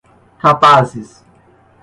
capazes